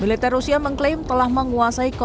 bilet rusia mengklaim telah menguasai kota kherson